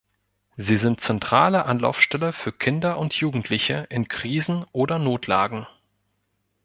Sie sind zentrale Anlaufstelle für Kinder und Jugendliche in Krisen- oder Notlagen.